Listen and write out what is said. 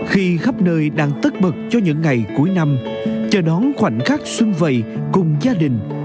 khi khắp nơi đang tất bật cho những ngày cuối năm chờ đón khoảnh khắc xuân vầy cùng gia đình